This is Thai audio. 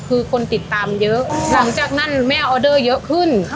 คือคนติดตามเยอะหลังจากนั้นแม่ออเดอร์เยอะขึ้น